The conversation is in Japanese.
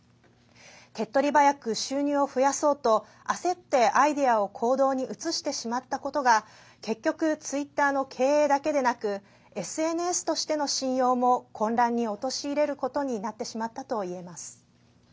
手っとり早く、収入を増やそうと焦ってアイデアを行動に移してしまったことが結局、ツイッターの経営だけでなくＳＮＳとしての信用も混乱に陥れることになってしまったといえます。